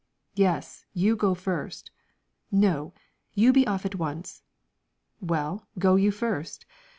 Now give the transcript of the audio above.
"Yes; you go first!" "No, you be off at once." "Well, go you first."